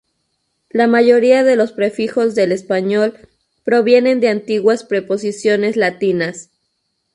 La mayoría de los prefijos del español provienen de antiguas preposiciones latinas.